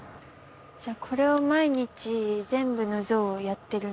じゃあこれを毎日全部の像をやってるんですか？